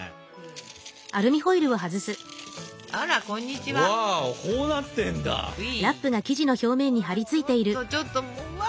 ちょっとちょっとうわ。